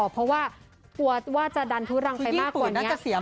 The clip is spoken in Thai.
เพราะว่ากลัวว่าจะดันทุรังไปมากกว่าน่าจะเสีย